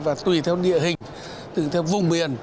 và tùy theo địa hình tùy theo vùng biển